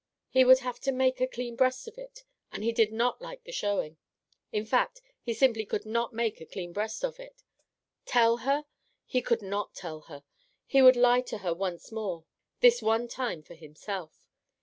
He would have to make a clean breast of it, and he did not like the showing. In fact, he simply could not make a clean breast of it. Tell her? He could not tell her. He would lie to her once more, this one time for himself.